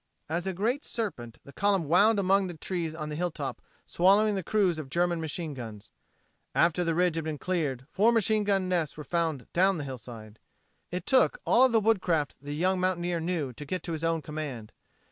As a great serpent the column wound among the trees on the hilltop swallowing the crews of German machine guns. After the ridge had been cleared, four machine gun nests were found down the hillside. It took all the woodcraft the young mountaineer knew to get to his own command.